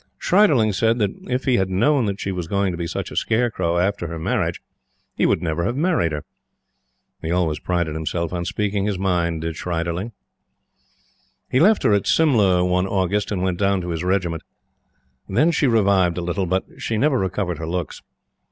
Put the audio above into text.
Schreiderling said that if he had known that she was going to be such a scare crow after her marriage, he would never have married her. He always prided himself on speaking his mind, did Schreiderling! He left her at Simla one August, and went down to his regiment. Then she revived a little, but she never recovered her looks.